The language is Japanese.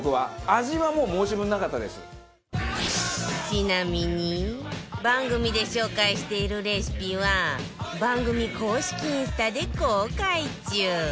ちなみに番組で紹介しているレシピは番組公式インスタで公開中